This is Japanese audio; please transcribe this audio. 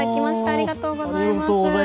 ありがとうございます。